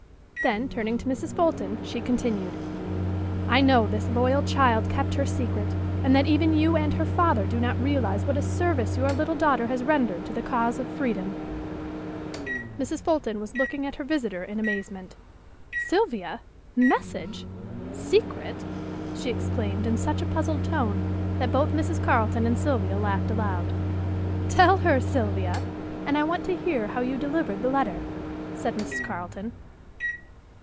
Then turning to Mrs. Fulton, she continued: "I know this loyal child kept her secret, and that even you and her father do not realize what a service your little daughter has rendered to the cause of Freedom!" Mrs. Fulton was looking at her visitor in amazement. "Sylvia! Message! Secret?" she exclaimed in such a puzzled tone that both Mrs. Carleton and Sylvia laughed aloud. "Tell her, Sylvia! And I want to hear how you delivered the letter," said Mrs. Carleton.